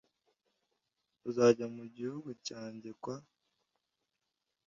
uzajya mu gihugu cyanjye kwa